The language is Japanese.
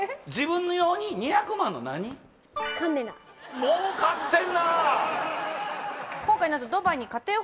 もうかってんな！